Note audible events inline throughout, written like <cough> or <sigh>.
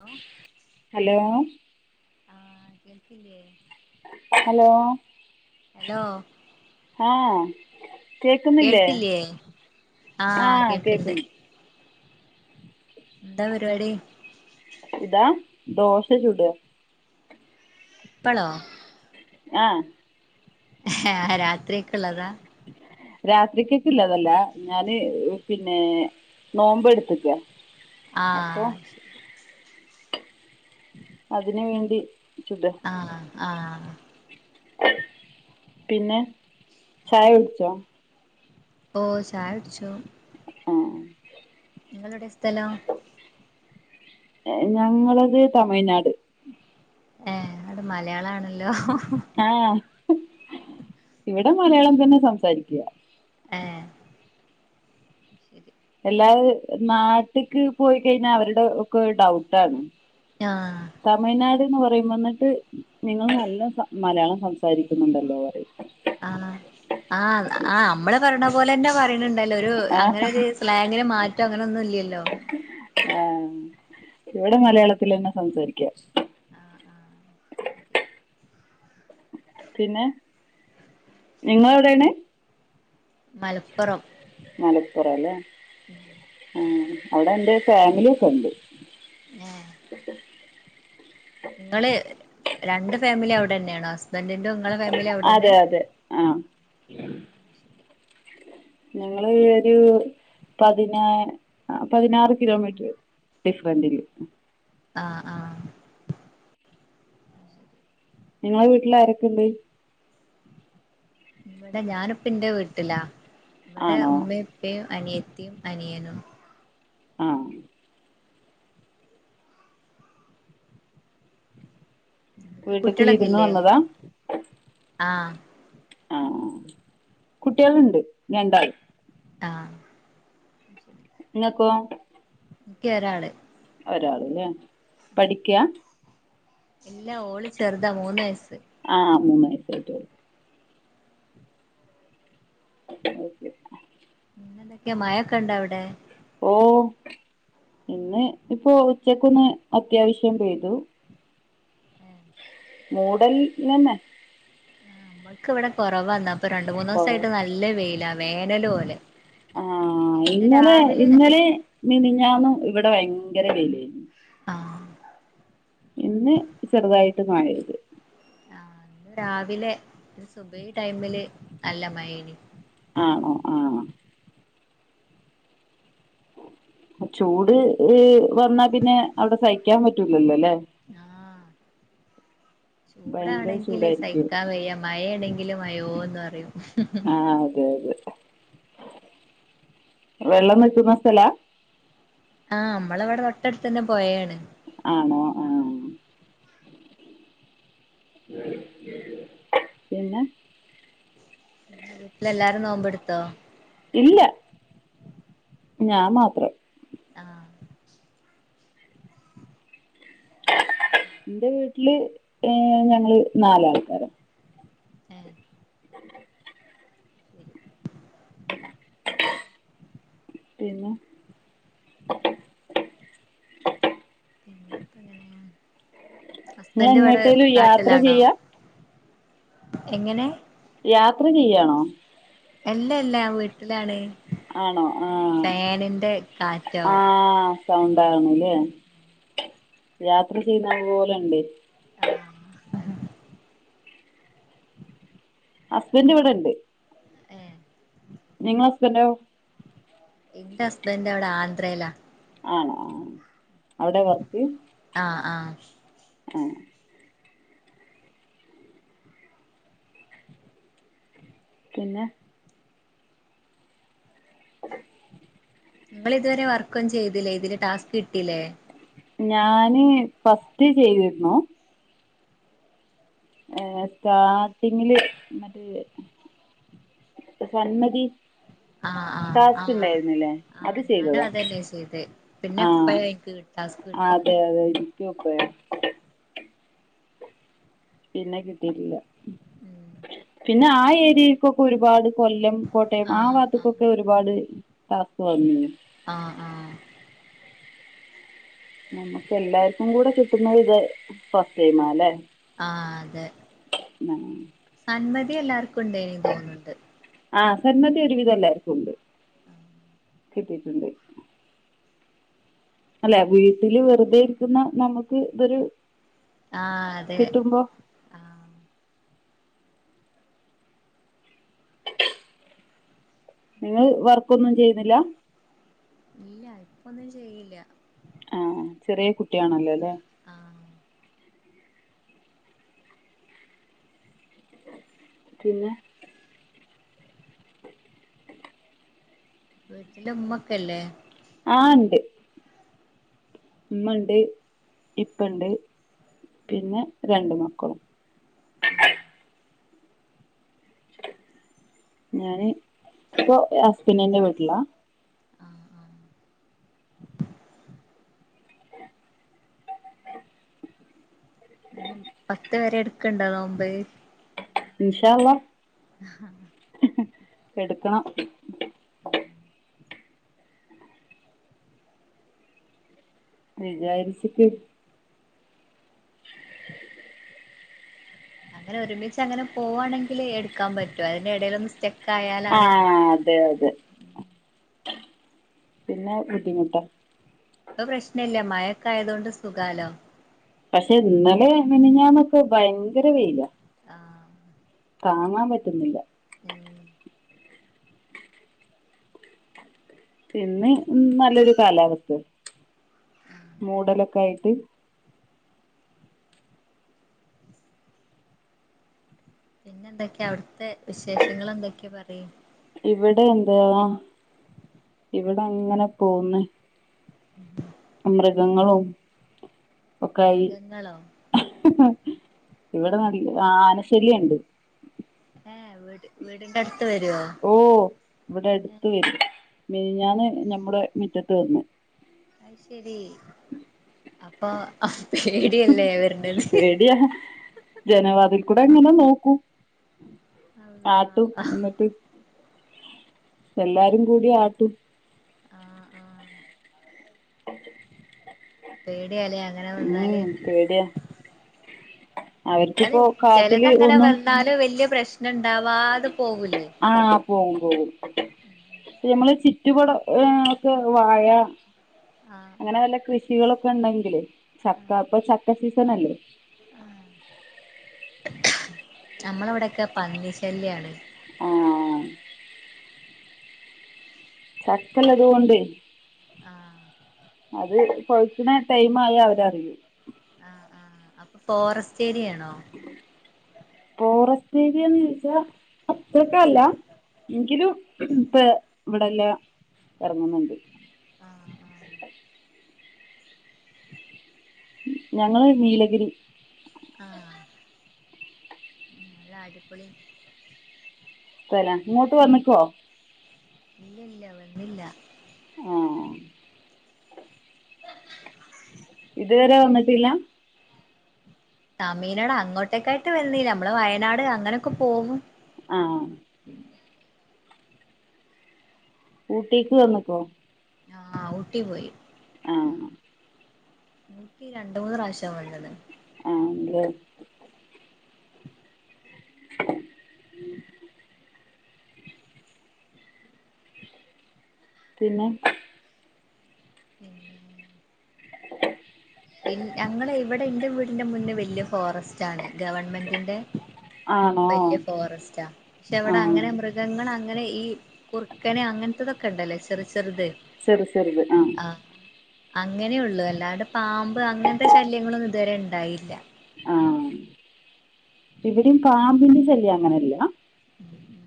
Hello hello ആഹ് കേൾക്കില്ലേ hello hello ആ കേക്കുന്നില്ലേ കേൾക്കില്ലേ ആഹ് കേക്കുന്നു എന്താ പരിപാടി ഇതാ ദോശ ചുട ഇപ്പളോ ആഹ് ഹ അ രാത്രിയ്ക്ക്ള്ളതാ രാത്രിക്ക്ക്ക്ള്ളതല്ല ഞാന് പിന്നെ നോമ്പ് എടുത്തക്ക ആഹ് ശരി അതിന് വേണ്ടി ചുടുക ആഹ് ആഹ് പിന്നെ ചായ കുടിച്ചോ ഓ ചായുടിച്ചു ആഹ് നിങ്ങളെവിടെ സ്ഥലം ഞങ്ങളത് തമിഴ്നാട് ഏ അവിടെ മലയാളണല്ലോ ആഹ് വിടെ മലയാളം തന്നെ സംസാരിക്ക ഏഹ് ശരി ല്ലാവ് നാട്ട്ക്ക് പോയി കഴിഞ്ഞാ അവരുടെ ഒക്കെ രു ഡൗട്ടാണ് ആഹ് തമിഴ്നാട് എന്ന് പറയും എന്നിട്ട് നിങ്ങള് നല്ലോം സം മലയാളം സംസാരിക്കുന്നുണ്ടല്ലോ പറയും ആഹ് ആഹ് ആ ആ അമ്മള് പറഞ്ഞ പോലെന്നെ പറയണണ്ടല്ലോ ഒരു ആ, അങ്ങനെ ഒരു സ്ലാങ്ങിന് മാറ്റോ അങ്ങനെ ഒന്നും ഇല്ലല്ലോ ആഹ് ഇവിടെ മലയാളത്തിലെന്നെ സംസാരിക്ക ആഹ് ആഹ് ശരി പിന്നെ നിങ്ങ എവിടെണ്? മലപ്പുറം മലപ്പുറ അല്ലേ ആ അവിടെ എന്റെ ഫാമിലി ഒക്കെ ഉണ്ട് ആ <unintelligible> നിങ്ങള് രണ്ട് ഫാമിലി അവിടെ തന്നെയാണോ ന്റിന്റെ ഉങ്ങളെ ഫാമിലി അവിടെന്നെ? ഉ ഞങ്ങള് ഒരു പതിനാ പതിനാറ് കിലോമീറ്റർ ഡിഫറന്റില് ആ ആ ഇങ്ങളെ വീട്ടില് ആരൊക്കെണ്ട്? ഇവിടെ ഞാനിപ്പന്റെ വീട്ടിലാ ഇവിടെ ആണോ ഉമ്മയും ഉപ്പും അനിയ ത്തീം അനിയനും ആ വീട്ടിലേക്ക് വിരുന്ന് കുട്ടികളൊക്കെല്ലേ? വന്നതാ ആഹ് ആ കുട്ടികളുണ്ട് രണ്ടാൾ ആഹ് ഇങ്ങക്കൊ? ക്ക് ഒരാള് ഒരാളല്ലേ പഠിക്ക്യാ? എല്ലാ ഓള് ചെറുതാ മൂന്ന് വയസ്സ് <unintelligible> ഓക്കെ ന്തൊക്കെയ മഴൊക്കെ ഇണ്ട അവിടെ? ഓ ഇന്ന് ഇപ്പോ ഉച്ചക്കൊന്ന് അത്യാവശ്യം പെയ്തു മൂഡൽ തന്നെ നമ്മക്ക് ഇവിടെ കുറവാന്ന ഇപ്പൊ രണ്ട് മൂന്ന് കൊറേ ദിവസായിട്ട് നല്ല വെയില വേനല് പോലെ ആ ഇന്ന് ഇന്നലെ രാവിലെ ഇന്നലെ മിനിഞ്ഞാന്നും ഇവിടെ ഭയങ്കര വെയിലാന്നു ആഹ് ഇന്ന് ചെറുതായിട്ട് മഴ പെയ്തു ആ ഇന്ന് രാവിലെ സുബൈ ടൈമില് നല്ല മയനി ആഹ ആഹ ആഹ് ചൂട് വന്നാ പിന്നെ അവിടെ സഹിക്കാൻ പറ്റൂലല്ലോ അല്ലേ <inaudible> ആഹ് ചൂടാണെങ്കില് സഹിക്കാൻ വയ്യ മഴയാണെങ്കില് മഴയോന്ന് പറയും ആഹ് അതെ അതെ വെള്ളം നിൽക്കുന്ന സ്ഥലാ ആഹ് നമ്മള അവിടെ തൊട്ടടുത്ത് തന്നെ പൊഴയാണ് ആണോ ആ പിന്നെ എ വീട്ടിലെല്ല <unintelligible> നോമ്പ് എടുത്തോ ഇല്ല ഞാൻ മാത്രം ആ എൻ്റെ വീട്ടില് ഏ ഞങ്ങള് നാലാൾക്കാര എ പിന്നെ നിങ്ങൾ ഹസ്ബൻഡ് ഇവിടെ എങ്ങോട്ടേലും യാത്ര നാട്ടിലാണോ ചെയ്യാ എങ്ങനെ യാത്ര ചെയ്യാണോ എല്ല എല്ലാ വീട്ടിലാണ് ആണോ ആഹ് ഫാനിന്റെ കാറ്റാവും സൗണ്ട് കാണുല്ലേ യാത്ര ചെയ്യുന്ന പോലെണ്ട് ആ ഹസ്ബൻഡ് ഇവിടെണ്ട് ഏ <inaudible> നിങ്ങടെ ഹസ്ബന്റോ എന്റെ ഹസ്ബന്റ് അവിടെ ആ അത്രല്ല <unintelligible> ആ അവിടെ വർക്ക് ആഹ് ആഹ് ആ പിന്നെ നിങ്ങൾ ഇതുവരെ വർക്ക് ഒന്നും ചെയ്തില്ലേ ഇതില് ടാസ്ക് കിട്ട ഇല്ലേ ഞാന് ഫസ്റ്റ് ചെയ്തിരുന്നു സ്റ്റാർട്ടിങ്ങില് മറ്റേ സന്മതി ആ ആഹ് ആ ടാസ്ക് ഉണ്ടായിരുന്നില്ലേ അത് ആഹ് ഞാനും ചെയ്തതാ അതന്നെയ ചെയ്ത പിന്നെ എപ്പ ആഹ് എനിക്ക്ടാസ്ക് കിട്ടുന്നത് ഇപ്പഴോ പിന്നെ കിട്ടിയിട്ടില്ല ഉം പിന്നെ ആ ഏരിയക്കൊക്കെ ഒരുപാട് കൊല്ലം കോട്ടയം ആ ആഹ് ആഹ് ഭാഗത്തക്കൊക്കെ ഒരുപാട് ടാസ്ക് വന്നില്ല ആഹ് ആഹ് നമ്മുക്ക് എല്ലാർക്കും കൂടെ കിട്ടുന്ന ഇത് ഫസ്റ്റ് ടൈം ആണല്ലേ ആഹ്അതെ ആഹ് മതി എല്ലാർക്ക- ണ്ട്യേ നി തോന്ന്ണ്ട് ആഹ് സന്മതി ഒരുവിധം എല്ലർക്കും ഉണ്ട് കിട്ടീട്ടുണ്ട് അല്ലെ വീട്ടില് വെറുതെ ഇരിക്കുന്ന നമുക്ക് ഇതൊരു ആഹ് അതെ കിട്ടുമ്പോ ആഹ് നിങ്ങൾ വർക്ക്ഒന്നും ചെയ്യുന്നില്ല ഇല്ല ഇപ്പൊന്നും ചെയ്യില്ല ആഹ് ചെറ്യേ കുട്ടിയാണല്ലോല്ലേ ആഹ് പിന്നെ വീട്ടില് ഉമ്മൊക്കെല്ലേ ആഹ് ഉണ്ട് ഉമ്മണ്ട് ഇപ്പണ്ട് പിന്നെ രണ്ടു മ കും ആഹ് ഞാന് ഇപ്പൊ ഹസ്ബൻഡിന്റെ വീട്ടിലാ ആഹ് ആഹ് പത്ത് വരെ ഇട്ക്ൺണ്ടൊ നോമ്പ് ഇന്ഷാഅല്ലാഹ് ആഹ് എടുക്കണം വിചാരിച്ചിട്ട് <inaudible> അങ്ങനെ ഒരുമിച്ചങ്ങനെ പോവാണെങ്കില് എടുക്കാൻ പറ്റോ അതിന്റെ എടൽ ഒന്ന് സ്റ്റ ആഹ് അതെ അതെ പിന്നെ ബുദ്ധിമുട്ട ഇപ്പൊ പ്രശ്നല്ല മഴക്കായൊതോണ്ട് സുഖാലോ പക്ഷെ ഇന്നലെ മെനഞ്ഞാന്നൊക്കെ ഭയങ്കര വെയ്ലാ ആഹ് കാണാൻ പറ്റുന്നില്ല ഉം പിന്നെ നല്ലൊരു കാലാവസ്ഥ മൂടലൊക്കെ ആയിട്ട് പിന്നെ എന്തൊക്കെയാ അവിടുത്തെ വിശേഷങ്ങൾ എന്തൊക്കെയ പറി ഇവിടെ <unintelligible> എന്താ ഇവിടെ അങ്ങനെ പോന്ന് മൃഗങ്ങളും ഒക്കായി മൃഗങ്ങളോ ഇവിടെ <unintelligible> ആ ആനശല്യണ്ട് വിട് വീടിന്റെ അടുത്ത് വരുവോ ഓ ഇവിടെ അടുത്ത് ഏഹ് വരും മെനിഞ്ഞാന്ന് ഞമ്മുടെ മുറ്റത്ത് വന്ന് അത് ശരി അപ്പൊ പേടിയല്ലേ വരണത് പേടിയാ ജനവാതിൽ കൂടെ എങ്ങനെ നോക്കും ആട്ടും അല്ലാഹ് ആഹ് എന്നിട്ട് എല്ലാരും കൂടി ആട്ടും ആ ആ പേ ടീലേ അങ്ങനെ വന്നാല് ഉം പേടിയാ അയ്ന് അവർക്കിപ്പോ കാട്ടില് ചെലതങ്ങനെ ഒന്നും വന്നാല് വല്യ പ്രശ്ന ആ പോകും പോകും നമ്മള് ചുറ്റുപാടൊ ഏ ഒക്കെ വാഴ ആ ഷികളൊക്കെണ്ടെങ്കില് ചക്ക ഇപ്പൊ ച ക്ക സീസണല്ലേ ആ നമ്മളവിടൊക്കെ പന്നിശല്യാണ് ആ ചാക്കോള്ളത് കൊണ്ടേ ആ അത് കൊഴിക്ക്ണ ടൈമായാ അവരറിയും ആ ആ അപ്പൊ ഫോറസ റ്റ് ഏരിയണോ ഫോറസ്റ്റ് ഏരിയേന്ന് ചോയ്ച്ചാ അത്രക്കല്ല എങ്കിലും ഇപ്പ ഇവിടെല്ലേ ഏറങ്ങുന്നുണ്ട് ആഹ് ഞങ്ങള് നീലഗിരി ഉം നല്ല അടിപൊളി സ്ഥലാ ഇങ്ങോട്ട് വന്ന്ക്കൊ ഇല്ല ഇല്ല വന്നില്ല ആ ഇത് വരെ വന്നിട്ടില്ലാ തമീനാട് അങ്ങോട്ടേക്കായിട്ട് വന്നീലാ അമ്മള് വയനാട് അങ്ങനൊക്കെ പോകു ആ ഊട്ടീക്ക് വന്ന്ക്കോ ആ ഊട്ടി പോയി ആ ഊട്ടി രണ്ട് മൂന്ന്റാശ്യ വന്ന്ണ് <unintelligible> പിന്നെ പിന്നേ ഇൻ ഞങ്ങളെ ഇവിടെ ഇന്റെ വീടിന്റെ മുന്നേ വല്യ ഫോറസ്റ്റ് ആണ് ഗവൺമെന്റിന്റെ ആണോ വല്യ ഫോറസ്റ്റാ പക്ഷെ അവിടെ ആഹ് അങ്ങനെ മൃഗങ്ങള് അങ്ങ് ങ്ങനെ ഈ കുറുക്കനെ അങ്ങനത്തതൊക്കെ ഉണ്ടല്ലേ ചെ ചെറ് ചെറിത് ആഹ് അങ്ങനെ ഉള്ളു അല്ലാണ്ട് പാമ്പ് അങ്ങനത്തെ ശല്യങ്ങളൊന്നും ഇതുവരെ ഉ ഉണ്ടാകില്ല ആഹ് ഇവിടയും പാമ്പിന്റെ ശല്യം അങ്ങനെ ഇല്ല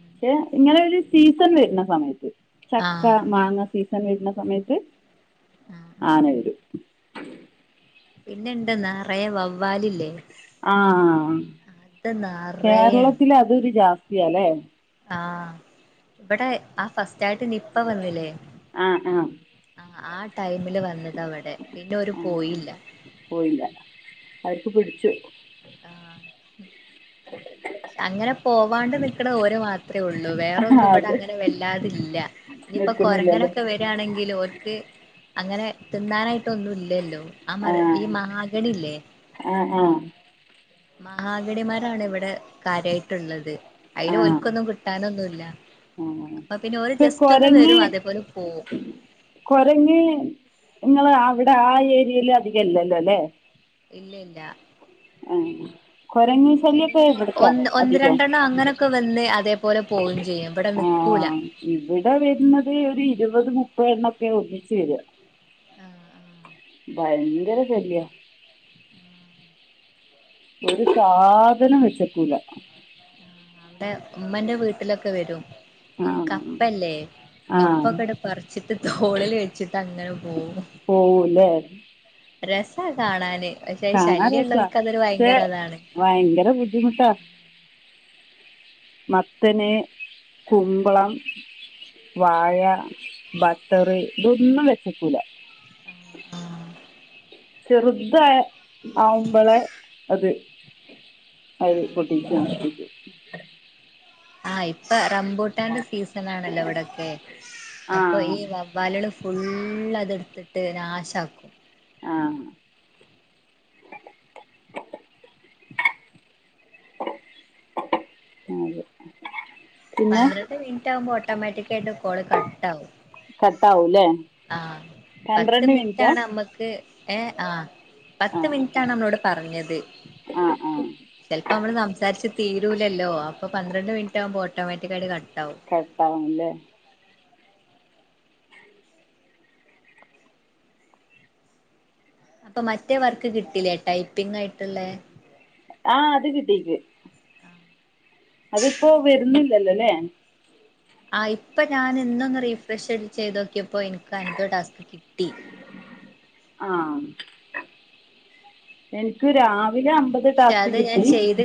പക്ഷെ ഇങ്ങനെ ഒരു സീസൺ വരുന്ന സമയത്ത് ചക്ക ആഹ് മാങ്ങ സീ സൺ വരുന്ന സമയത്ത് ആഹ് ആന വരും പിന്നെ ഇണ്ട് നെറയെ വവ്വാലില്ലേ ആഹ് അത് നറയെണ്ട് കേരളത്തിൽ അതൊരു ജാസ് സ്ഥിയാലെ ആഹ് ഇവിടെ ആ ഫസ്റ്റ് ആയിട്ട് നിപ്പ വന്നില്ലേ ആഹ് ആഹ് ആഹ് ആ ടൈമില് വന്നത ഇവിടെ പിന്നെ ഓര് ആഹ് പോയില്ല അരിപ്പ് പിടിച്ചു ആഹ് അങ്ങനെ പോ പോവാണ്ട് നിക്കണ ഓര് മാ ത്രേ ഉള്ളൂ വേറൊന്നും ഇവിടെ അത് അങ്ങനെ വല്ലാതില്ല ഇനിയിപ്പം നിൽക്കുന്നില്ലല്ലേ കൊരങ്ങനൊക്കെ വരാണെങ്കിലു. ഓർക്ക് അങ്ങനെ തിന്നാനായിട്ട് ഒന്നും ഇല്ലല്ലോ ആ മര ഈ ആഹ് മഹാഗണി ഇല്ലേ ആഹ് ആഹ് മഹാഗണി മരാണ് ഇവിടെ കാര്യായിട്ടുള്ളത് അയിൽ ആഹ് ഓൽക്കൊന്നും കിട്ടാനൊന്നുല്ല ആഹ് അപ്പം പിന്നെ ഓര് പക്ഷെ ജസ്റ്റ് ഒന്ന് കൊരങ്ങ് വരും അതേപോലെ പോവും കൊരങ്ങ് നിങ്ങള് അവിടെ ആ ഏരിയല് അധികം ഇല്ലല്ലോ അല്ലേ ഇല്ല ഇല്ല ആ കൊരങ്ങ് ശല്യം ഇപ്പം എങ്ങനെ ഇവിടിക്കാ ഒന്ന് ഒന്ന് അതികോം രണ്ടെണ്ണം അങ്ങനൊക്കെ വന്ന് അതേപോലെ പോവും ചെയ്യും ഇവിടെ ആ നിക്കൂല ഇവിടെ വരുന്നത് ഒരു ഇരുവത് മു പ്പാതെണ്ണൊക്കെ ഒന്നിച്ചു വര്യ ആഹ് ആഹ് ഭയങ്കര ശല്യാ ഒരു സാധനം വെച്ചേക്കൂല നമ്മടെ ഉമ്മെന്റെ വീട്ടിലൊക്കെ വരും ആ ഈ കപ്പല്ലേ ആ കപ്പൊക്കെ ഇടെ പറിച്ചിട്ട് തോളിൽ വെച്ചിട്ട് അങ്ങനെ പോവും. പോവൂലേ രസ കാണാൻ. കാണാ രസാ ക്ഷേ അതാണ് ഭയങ്കര ബുദ്ധിമുട്ടാ. മത്തന് കുമ്പളം വാഴ ബട്ടററ് ഇതൊന്നും വെച്ചക്കൂല. ആഹ്. ചെറുതാ ആവുമ്പളെ അത് അത് പൊട്ടിച്ച് ആഹ് ഇപ്പ റമ്പുട്ടാന്റെ സീസനാണല്ലോ ഇവിടൊക്കെ ആ അപ്പൊ ഈ വവ്വാല്ള് ഫുള്ള് അതെടുത്തിട്ട് നാശക്കും. ആഹ്. ആ അതെ. പിന്നെ പന്ത്രണ്ട് മിന്റ് ആവുമ്പോ ഓട്ടോമാറ്റിക്കായിട്ട് കോൾ ക കട്ടാവും. കട്ടാവൂല്ലേ ആഹ് പന്ത്രണ്ട് മിനിറ്റാ ഏ ആഹ്. ആ പത്ത് മിനിറ്റാണ് നമ്മളോട് പറഞ്ഞത്. ആ ആ ചെലപ്പോ അമ്മള് സംസാരിച്ച് തീരൂലല്ലോ. അപ്പൊ പന്ത്രണ്ട് മിനിറ്റ് ആവ ട്ടോമാറ്റിക്കായിട്ട് ക കട്ടാവും ല്ലെ അപ്പം മറ്റേ വർക്ക് കിട്ടീല്ലേ ടൈപ്പിങ് ആയിട്ടുള്ളേ? ആഹ് അത് കിട്ടിക്ക്. അതിപ്പോ വരുന്നില്ലല്ലോല്ലേ? ആഹ് ഇപ്പ ഞാന് ഇന്നൊന്ന് റീഫ്രഷ്ടിച്ച് ചെയ്തോക്കിയപ്പോ എന്ക്ക് അൻപത് ടാസ്ക് കി ആഹ്. എനിക്ക് രാ വിലെ അമ്പത് പക്ഷെ ടാസ്ക് അത് ഞാൻ കിട്ടി. ചെയ്ത്